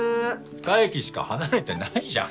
２駅しか離れてないじゃん。